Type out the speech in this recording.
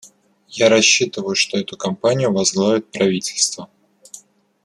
Я рассчитываю, что эту кампанию возглавят правительства.